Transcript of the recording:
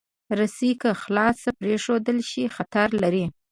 رسۍ که خلاصه پرېښودل شي، خطر لري.